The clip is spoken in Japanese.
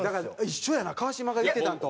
一緒やな川島が言ってたんと。